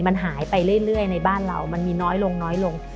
มันหายไปเรื่อยในบ้านเรามันมีน้อยลงน้อยลง